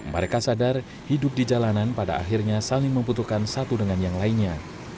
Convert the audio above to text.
mereka sadar hidup di jalanan pada akhirnya saling membutuhkan satu dengan yang lainnya